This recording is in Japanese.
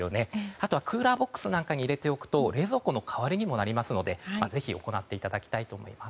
あとはクーラーボックスに入れておくと冷蔵庫の代わりにもなりますのでぜひ行っていただきたいと思います。